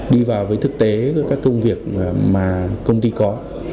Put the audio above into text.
đi vào với thực tế các công việc mà công ty có